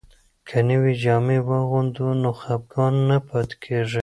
که نوې جامې واغوندو نو خپګان نه پاتې کیږي.